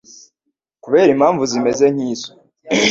Kubera impamvu zimeze nk'izo,